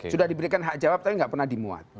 sudah diberikan hak jawab tapi tidak pernah dimuat